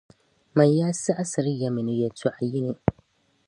Mani yaa saɣisiri ya mi ni yεltɔɣa yini!